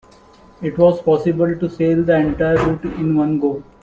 It was possible to sail the entire route in one go.